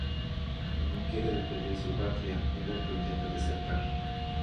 Uno quiere defender su patria, el otro intenta desertar.